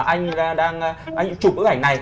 anh đang chụp ức ảnh này